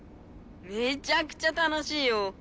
めちゃくちゃ楽しいよ！